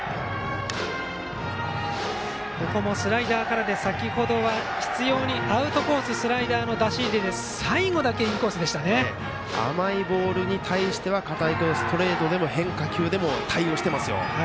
これもスライダーからで先程は執ようにアウトコース、スライダーの出し入れで甘いボールに対しては片井君ストレートでも変化球でも対応しています。